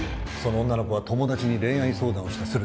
その女の子は友達に恋愛相談をした。